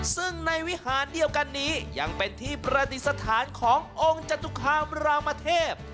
ซึ่งในวิหารเดียวกันนี้ยังเป็นที่ประดิษฐานขององค์จตุคามรามเทพ